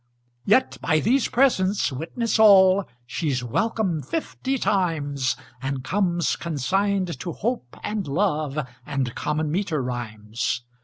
Yet by these presents witness all She's welcome fifty times, And comes consigned to Hope and Love And common meter rhymes.